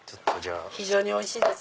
非常においしいです。